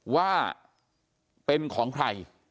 ว่าเป็นของใคร